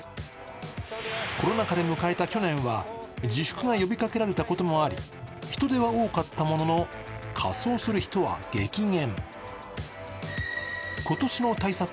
コロナ禍で迎えた去年は、自粛が呼びかけられたこともあり人出は多かったものの、仮装する人は激減。